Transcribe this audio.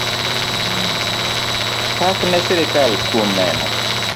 Pak ne sirkal kuom neno.